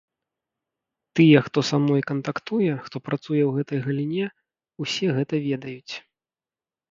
Тыя, хто са мной кантактуе, хто працуе ў гэтай галіне, усе гэта ведаюць.